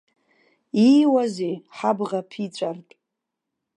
Ииуазеи, ҳабӷа ԥиҵәартә!